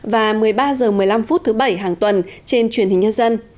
và một mươi ba h một mươi năm phút thứ bảy hàng tuần trên truyền hình nhân dân